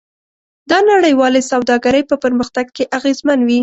دا نړیوالې سوداګرۍ په پرمختګ کې اغیزمن وي.